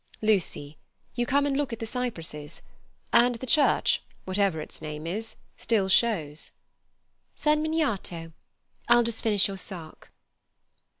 "Lucy, you come and look at the cypresses; and the church, whatever its name is, still shows." "San Miniato. I'll just finish your sock."